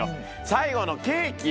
最後のケーキ。